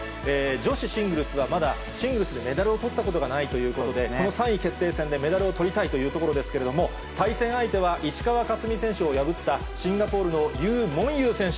女子シングルスは、まだシングルスでメダルをとったことがないということで、この３位決定戦でメダルをとりたいというところですけれども、対戦相手は、石川佳純選手を破ったシンガポールのユー・モンユー選手。